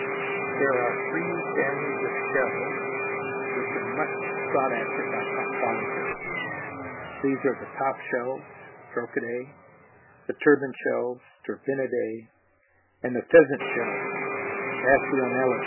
There are three families of shells which are much sought after by conchologists, these are the top shells (Trochidæ), the turban shells (Turbinidæ) and the pheasant shells (Phasionellidæ).